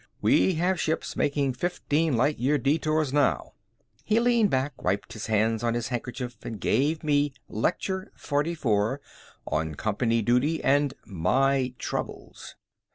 We have ships making fifteen light year detours now." He leaned back, wiped his hands on his handkerchief and gave me Lecture Forty four on Company Duty and My Troubles.